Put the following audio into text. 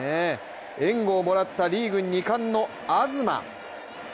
援護をもらったリーグ２冠の東。